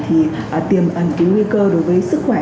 thì tiềm ẩn cái nguy cơ đối với sức khỏe